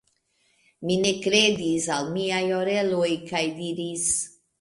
Mi ne kredis al miaj oreloj kaj diris: